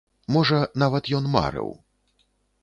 Можа, нават ён марыў.